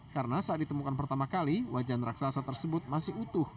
karena saat ditemukan pertama kali wajan raksasa tersebut masih utuh